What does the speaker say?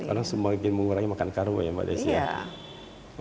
orang semakin mengurangi makan karbo ya mbak desya